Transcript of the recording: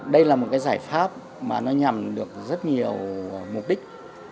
đây là một cái giải pháp mà nó nhằm được rất nhiều mục đích